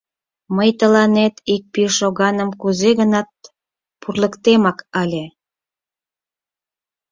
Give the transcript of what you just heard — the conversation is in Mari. Мый тыланет ик пӱй шоганым кузе-гынат пурлыктемак ыле.